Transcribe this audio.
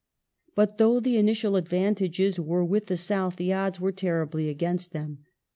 But though the initial advantages were with the South, the odds were terribly against them.